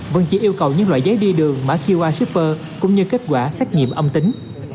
vẫn chỉ yêu cầu những loại giấy đi đường mã qr shipper cũng như kết quả xét nghiệm âm tính